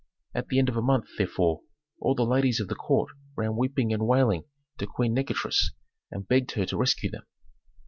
At the end of a month, therefore, all the ladies of the court ran weeping and wailing to Queen Nikotris, and begged her to rescue them.